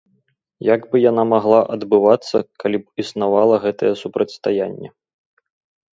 Як бы яна магла адбывацца, калі б існавала гэтае супрацьстаянне.